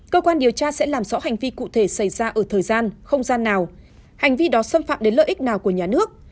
cơ quan điều tra sẽ làm rõ hành vi cụ thể xảy ra ở thời gian không gian nào hành vi đó xâm phạm đến lợi ích nào của nhà nước